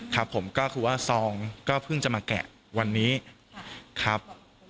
ครับผมก็คือว่าซองก็เพิ่งจะมาแกะวันนี้ครับ